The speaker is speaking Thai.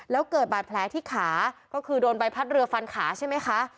แล้วเกิดบาดแผลที่ขาก็คือโดนใบพัดเรือฟันขาใช่ไหมคะ